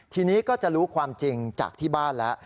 ทีนี้ก็จะรู้ความจริงจากที่บ้านแล้ว